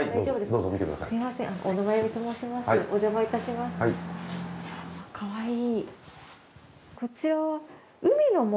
かわいい。